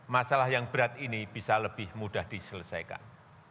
masalah yang berat ini bisa lebih mudah diselesaikan